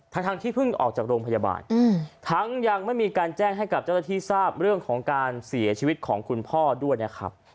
ทั้งที่เพิ่งออกจากโรงพยาบาลทั้งยังไม่มีการแจ้งให้กับเจ้าหน้าที่ทราบเรื่องของการเสียชีวิตของคุณพ่อด้วยนะครับ